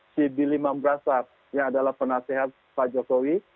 si billy mam brassar yang adalah penasehat pak jokowi